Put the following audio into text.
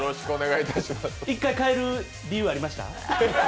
１回帰る理由ありました？